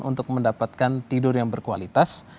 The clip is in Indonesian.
untuk mendapatkan tidur yang berkualitas